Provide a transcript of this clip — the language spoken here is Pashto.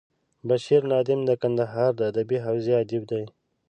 بشیر نادم د کندهار د ادبي حوزې ادیب دی.